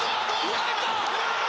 入った！